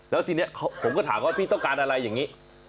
แล้วทีนี้ผมก็ถามว่าพี่ต้องการอะไรอย่างนี้